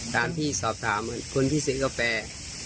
ตามที่สอบถามคนที่ซื้อกาแฟ